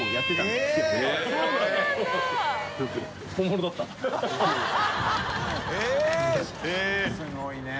すごいね。